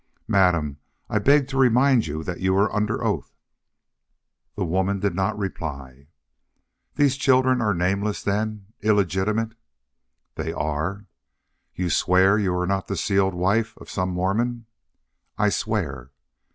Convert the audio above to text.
"Madam, I beg to remind you that you are under oath." The woman did not reply. "These children are nameless, then illegitimate?" "They are." "You swear you are not the sealed wife of some Mormon?" "I swear."